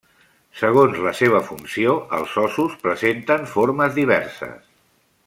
Segons la seva funció, els ossos presenten formes diverses.